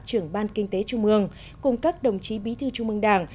trưởng ban kinh tế trung ương cùng các đồng chí bí thư trung mương đảng